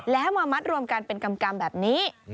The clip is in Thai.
และมามัดรวมกันเป็นกำกำแบบนี้